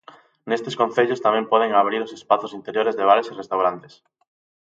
Nestes concellos tamén poden abrir os espazos interiores de bares e restaurantes.